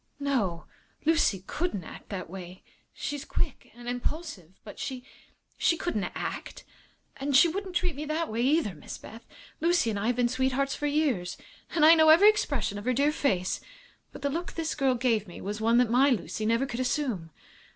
"No; Lucy couldn't act that way. She's quick and impulsive, but she she couldn't act. And she wouldn't treat me that way, either, Miss Beth. Lucy and I have been sweethearts for years, and I know every expression of her dear face. But the look that this girl gave me was one that my Lucy never could assume.